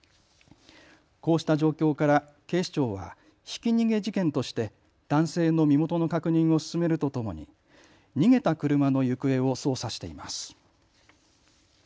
こうした状況から警視庁はひき逃げ事件として男性の身元の確認を進めるとともに逃げた車の行方を捜査しています。